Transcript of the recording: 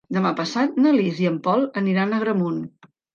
Demà passat na Lis i en Pol aniran a Agramunt.